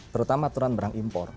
pertama aturan barang impor